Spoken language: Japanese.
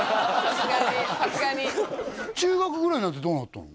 さすがに中学ぐらいになってどうなったの？